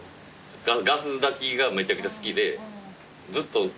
ガス炊きがめちゃくちゃ好きでずっと使ってた。